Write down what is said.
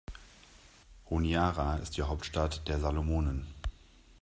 Honiara ist die Hauptstadt der Salomonen.